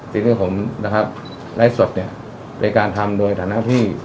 ศีลของผมนะครับไร้สดเนี่ยโดยการทำโดยฐานะที่